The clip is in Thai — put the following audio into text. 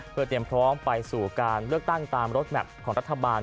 เพื่อเตรียมพร้อมไปสู่การเลือกตั้งตามรถแมพของรัฐบาล